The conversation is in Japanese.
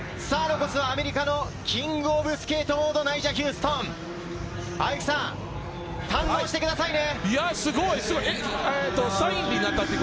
アメリカのキング・オブ・スケートボード、ナイジャ・ヒューストン、アイクさん、堪能してくださいね。